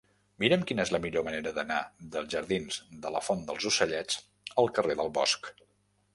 Mira'm quina és la millor manera d'anar dels jardins de la Font dels Ocellets al carrer del Bosc.